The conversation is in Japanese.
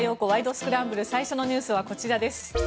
スクランブル」最初のニュースはこちらです。